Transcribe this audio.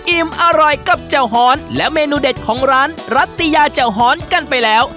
อิ่มอร่อยกับเจ้าฮรณ์และแมนนูเด็ดของร้านรัตยาเจ้าฮรณ์กันไปแล้ว